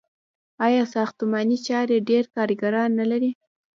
آیا ساختماني چارې ډیر کارګران نلري؟